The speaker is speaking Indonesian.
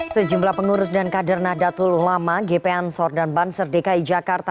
sejumlah pengurus dan kader nahdlatul ulama gp ansor dan banser dki jakarta